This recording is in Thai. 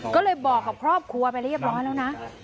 ก็เลยบอกกับครอบครัวไปเรียบร้อยแล้วนะ